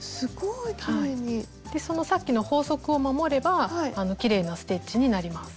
でそのさっきの法則を守ればきれいなステッチになります。